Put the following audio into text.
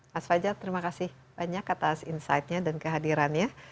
mas fajar terima kasih banyak atas insightnya dan kehadirannya